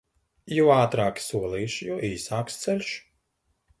Jo ātrāki solīši, jo īsāks ceļš.